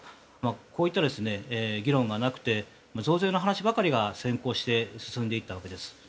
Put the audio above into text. こういった議論がなくて増税の話ばかりが先行して進んでいったわけです。